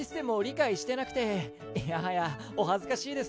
いやはやお恥ずかしいです。